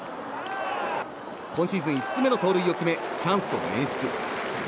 今シーズン５つ目の盗塁を決めチャンスを演出。